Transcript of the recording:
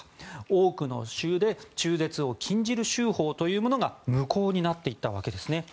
多くの州で中絶を禁じる州法というものが無効になっていったわけですね。